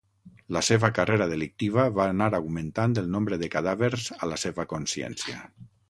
La seva carrera delictiva va anar augmentant el nombre de cadàvers a la seva consciència.